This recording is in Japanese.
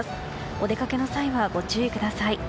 お出かけの際はご注意ください。